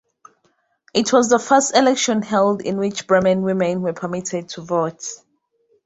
It was the first election held in which Bremen women were permitted to vote.